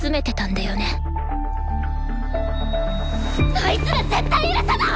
あいつら絶対許さない！